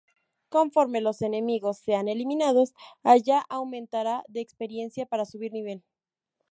Conforme los enemigos sean eliminados, Aya aumentará de experiencia para subir nivel.